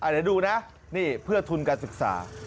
เดี๋ยวดูนะนี่เพื่อทุนการศึกษา